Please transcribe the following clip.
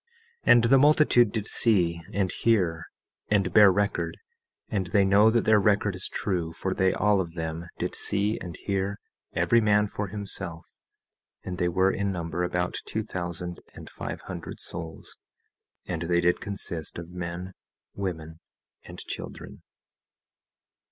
17:25 And the multitude did see and hear and bear record; and they know that their record is true for they all of them did see and hear, every man for himself; and they were in number about two thousand and five hundred souls; and they did consist of men, women, and children.